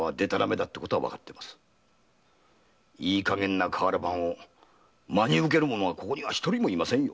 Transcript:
いいかげんな瓦版を真に受ける者はここには一人もいませんよ。